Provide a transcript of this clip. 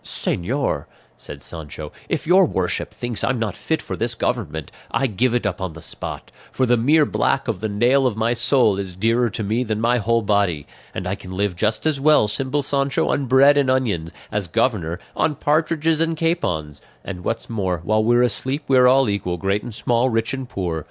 "Señor," said Sancho, "if your worship thinks I'm not fit for this government, I give it up on the spot; for the mere black of the nail of my soul is dearer to me than my whole body; and I can live just as well, simple Sancho, on bread and onions, as governor, on partridges and capons; and what's more, while we're asleep we're all equal, great and small, rich and poor.